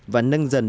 và nâng dần bệnh